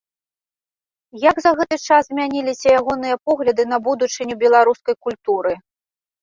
Як за гэты час змяніліся ягоныя погляды на будучыню беларускай культуры?